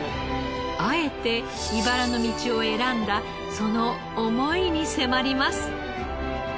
あえて茨の道を選んだその思いに迫ります。